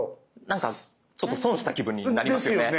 何かちょっと損した気分になりますよね。